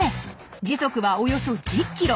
時速はおよそ１０ｋｍ。